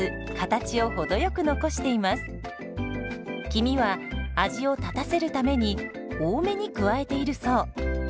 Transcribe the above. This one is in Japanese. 黄身は味を立たせるために多めに加えているそう。